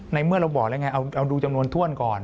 เมื่อเราบอกแล้วไงเอาดูจำนวนถ้วนก่อน